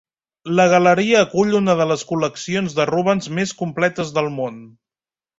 La galeria acull una de les col·leccions de Rubens més completes del món.